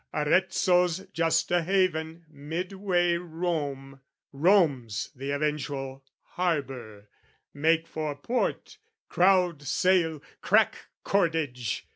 "Arezzo's just a haven midway Rome "Rome's the eventual harbour, make for port, "Crowd sail, crack cordage!